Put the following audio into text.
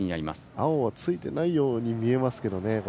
青はついてないように見えますけどね。